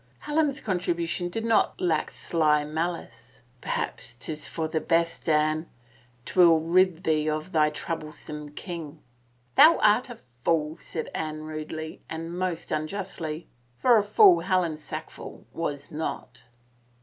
Helen's contribution did not lack sly malice. " Perhaps 'tis for the best, Anne — if 'twill rid thee of thy troublesome king I "" Thou art a fool," said Anne rudely, and most un justly, for a fool Helen Sackville was not.